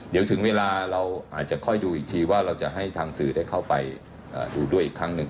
เดี๋ยวถึงเวลาเราอาจจะค่อยดูอีกทีว่าเราจะให้ทางสื่อได้เข้าไปดูด้วยอีกครั้งหนึ่ง